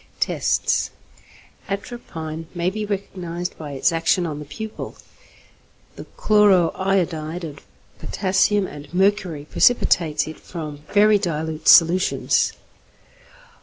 Tests. Atropine may be recognized by its action on the pupil. The chloro iodide of potassium and mercury precipitates it from very dilute solutions.